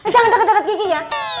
jangan deket dua kiki ya